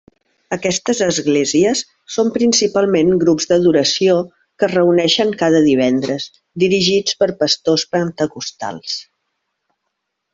Aquestes esglésies són principalment grups d'adoració que es reuneixen cada divendres, dirigits per pastors pentecostals.